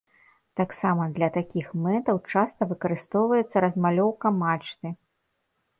Таксама для такіх мэтаў часта выкарыстоўваецца размалёўка мачты.